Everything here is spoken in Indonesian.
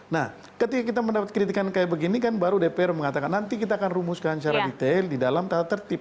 nah ketika kita mendapat kritikan kayak begini kan baru dpr mengatakan nanti kita akan rumuskan secara detail di dalam tata tertib